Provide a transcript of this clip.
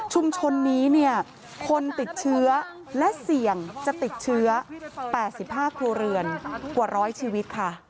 ชุมชนนี้เนี่ยคนติดเชื้อและเสี่ยงจะติดเชื้อ๘๕ครัวเรือนกว่าร้อยชีวิตค่ะ